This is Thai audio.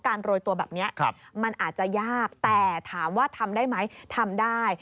โรยตัวแบบนี้มันอาจจะยากแต่ถามว่าทำได้ไหมทำได้